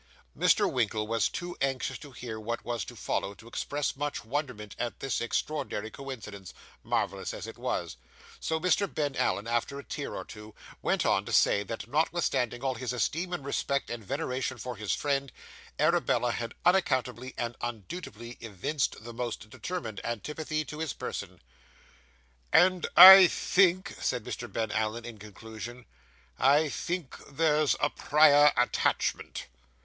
Mr. Winkle was too anxious to hear what was to follow to express much wonderment at this extraordinary coincidence, marvellous as it was; so Mr. Ben Allen, after a tear or two, went on to say that, notwithstanding all his esteem and respect and veneration for his friend, Arabella had unaccountably and undutifully evinced the most determined antipathy to his person. 'And I think,' said Mr. Ben Allen, in conclusion. 'I think there's a prior attachment.